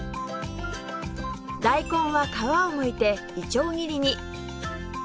大根は皮をむいていちょう切りに